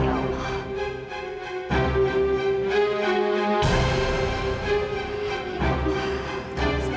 ya allah tolong selamatkan taufan